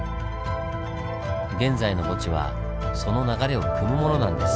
現在の墓地はその流れをくむものなんです。